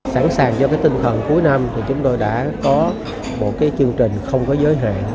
sẵn sàng do tinh thần cuối năm chúng tôi đã có một chương trình không có giới hạn